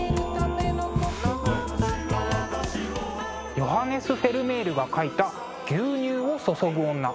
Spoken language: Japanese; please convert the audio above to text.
ヨハネス・フェルメールが描いた「牛乳を注ぐ女」。